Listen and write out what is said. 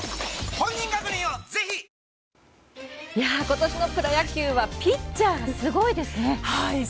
今年のプロ野球はピッチャーがすごいですね。